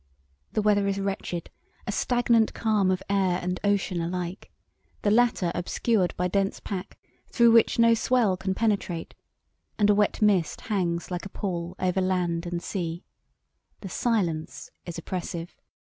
The weather is wretched—a stagnant calm of air and ocean alike, the latter obscured by dense pack through which no swell can penetrate, and a wet mist hangs like a pall over land and sea. The silence is oppressive.